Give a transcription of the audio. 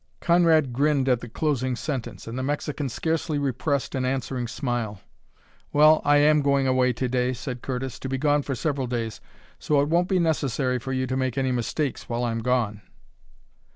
Conrad grinned at the closing sentence, and the Mexican scarcely repressed an answering smile. "Well, I am going away to day," said Curtis, "to be gone for several days. So it won't be necessary for you to make any mistakes while I'm gone."